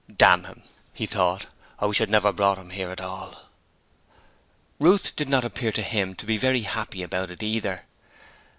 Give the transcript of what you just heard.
'Damn him!' he thought. 'I wish I'd never brought him here at all!' Ruth did not appear to him to be very happy about it either.